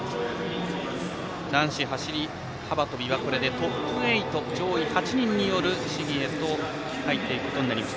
男子走り幅跳びはこれでトップ８上位８人による競技に入っていきます。